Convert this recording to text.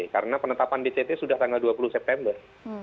karena penetapan dct sudah tanggal dua puluh september